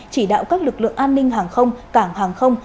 chỉ đạo các lực lượng an ninh hàng không cảng hàng không